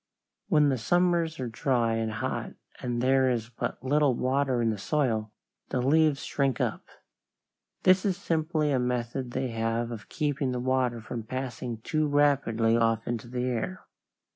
When the summers are dry and hot and there is but little water in the soil, the leaves shrink up. This is simply a method they have of keeping the water from passing too rapidly off into the air.